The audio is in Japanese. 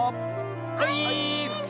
オイーッス！